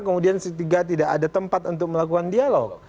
kemudian tiga tidak ada tempat untuk melakukan dialog